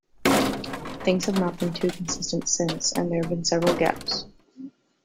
Things have not been too consistent since, and there have been several gaps.